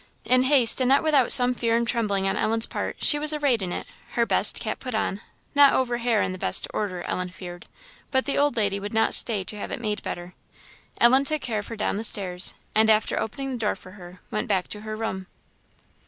In haste, and not without some fear and trembling on Ellen's part, she was arrayed in it; her best cap put on, not over hair in the best order, Ellen feared, but the old lady would not stay to have it made better; Ellen took care of her down the stairs, and after opening the door for her went back to her room.